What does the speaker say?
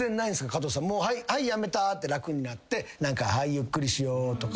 加藤さん「はい辞めた」って楽になって何か「ゆっくりしよう」とか。